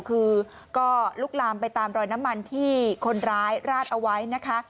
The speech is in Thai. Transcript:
คือก็ลุกลามไปตามรอยน้ำมันที่คนร้ายราดเอาไว้นะคะ